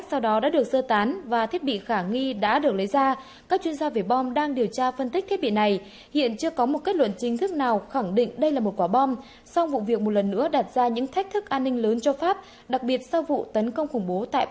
sau vụ tấn công khủng bố tại paris hôm một mươi ba tháng một mươi một